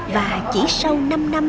và chỉ sau năm năm